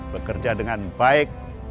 bekerja dengan baik